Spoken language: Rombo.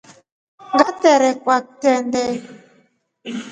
Wangitrendokwa kitrende.